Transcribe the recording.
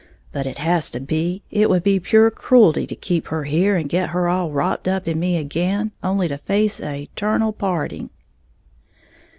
But it has to be, it would be pure cruelty to keep her here and get her all wropped up in me again, only to face a' eternal parting."